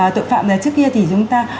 tội phạm trước kia thì chúng ta